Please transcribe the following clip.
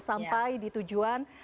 sampai di tujuan